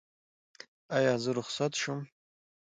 ایا زه رخصت شم؟